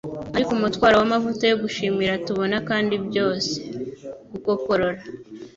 ariko umutwaro wamavuta yo gushimira tubona kandi byose! Gukoporora